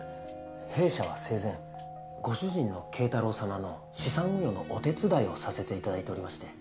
弊社は生前ご主人の啓太郎様の資産運用のお手伝いをさせていただいておりまして。